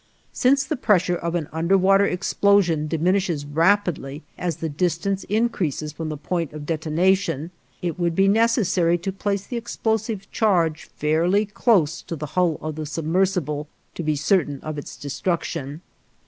Since the pressure of an underwater explosion diminishes rapidly as the distance increases from the point of detonation, it would be necessary to place the explosive charge fairly close to the hull of the submersible to be certain of its destruction.